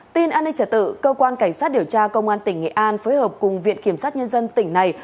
tin an ninh trả tự cơ quan cảnh sát điều tra công an tỉnh nghệ an phối hợp cùng viện kiểm sát nhân dân tỉnh này